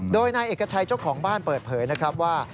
โดยนายเอกชัยเจ้าของบ้านเปิดเผยนะครับว่า